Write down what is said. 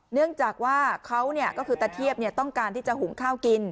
เนื่องจากว่าเขาก็คือตะเทียบต้องการที่จะหุงข้าวกิน